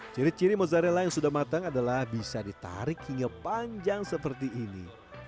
ciri ciri mozzarella yang sudah matang adalah bisa ditarik hingga panjang seperti ini